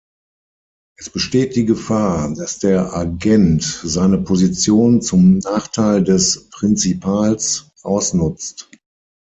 Es besteht die Gefahr, dass der Agent seine Position zum Nachteil des Prinzipals ausnutzt.